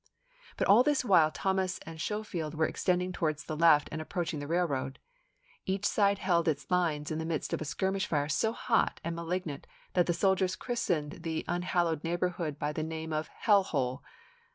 But all this while Thomas and Schofield were extending towards the left and approaching the railroad. Each side held its lines in the midst of a skirmish fire so hot and malignant that the soldiers christened the unhallowed neighborhood by the "mS™!" name of "Hell Hole."